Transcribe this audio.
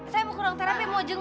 saya mau ke ruang terapi mau jenguk